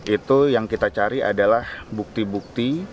itu yang kita cari adalah bukti bukti